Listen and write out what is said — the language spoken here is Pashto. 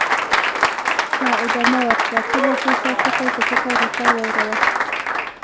ښه، ادامه ورکړه، ټوله پېښه ټکي په ټکي راته واوره وه.